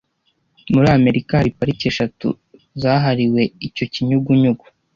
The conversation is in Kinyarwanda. Muri Amerika hari parike eshatu zahariwe icyo kinyugunyugu